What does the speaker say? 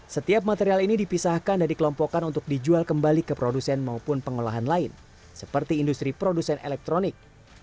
setiap material ini dipisahkan dan dikelompokkan untuk dijual kembali ke produsen maupun pengolahan lain seperti industri produsen elektronik